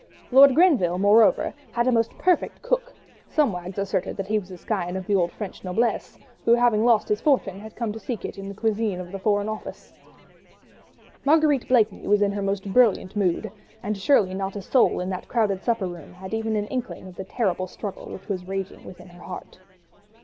Lord Grenville, moreover, had a most perfect cook—some wags asserted that he was a scion of the old French noblesse, who, having lost his fortune, had come to seek it in the cuisine of the Foreign Office. Marguerite Blakeney was in her most brilliant mood, and surely not a soul in that crowded supper room had even an inkling of the terrible struggle which was raging within her heart.